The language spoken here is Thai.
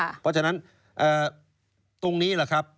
เพราะฉะนั้นตรงนี้แหละครับ